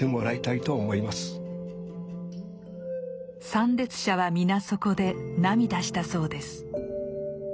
参列者は皆そこで涙したそうです。